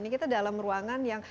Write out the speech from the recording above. kita di dalam ruangan yang